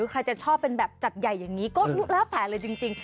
ใครจะชอบเป็นแบบจัดใหญ่อย่างนี้ก็แล้วแต่เลยจริง